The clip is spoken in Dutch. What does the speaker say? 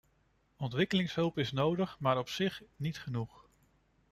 Ontwikkelingshulp is nodig, maar op zich niet genoeg.